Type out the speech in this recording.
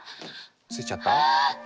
ついちゃった？